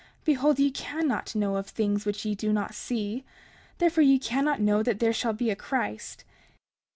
Behold, ye cannot know of things which ye do not see; therefore ye cannot know that there shall be a Christ.